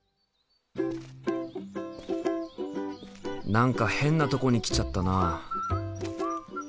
何か変なとこに来ちゃったな。